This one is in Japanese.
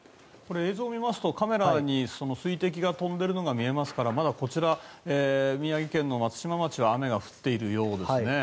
映像を見ますとカメラに水滴が飛んでいるのが見えますからまだこちら、宮城県松島町は雨が降っているようですね。